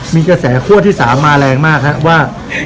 มีกระแสขัวที่๓มาแรงมากนะครับ